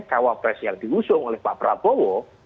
cawapres yang diusung oleh pak prabowo